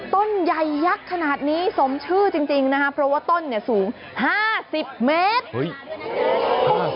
ต้นใหญ่ยักษ์ขนาดนี้สมชื่อจริงนะคะเพราะว่าต้นเนี่ยสูง๕๐เมตร